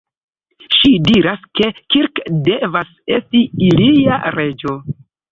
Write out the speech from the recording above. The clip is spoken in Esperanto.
Ŝi diras, ke Kirk devas esti ilia "reĝo".